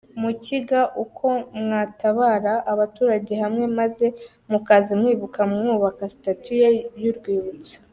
mukiga uko mwatabara abaturage hamwe maze mukaza mwibuka mwubaka statue ye yu rwibutso